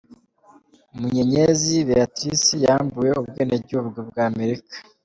Munyenyezi Beyatirise yambuwe ubwenegihugu bwa Amerika